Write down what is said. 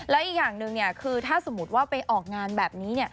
และอีกอย่างหนึ่งคือถ้าสมมุติว่าไปออกงานแบบนี้